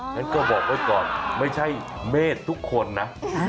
งั้นก็บอกไว้ก่อนไม่ใช่เมฆทุกคนนะ